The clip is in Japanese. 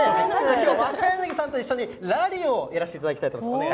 きょうは若柳さんと一緒に、ラリーをやらせていただきたいと思います。